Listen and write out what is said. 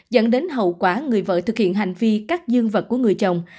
dẫn đến hậu quả người vợ thực hiện hành vi cắt dương vật của người chồng